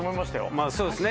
まぁそうですね